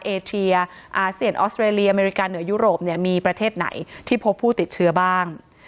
เอเชียอาเซียนออสเตรเลียอเมริกาเหนือยุโรปเนี่ยมีประเทศไหนที่พบผู้ติดเชื้อบ้าง